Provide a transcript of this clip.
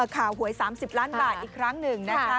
หวย๓๐ล้านบาทอีกครั้งหนึ่งนะคะ